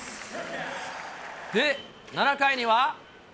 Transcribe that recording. で、７回には。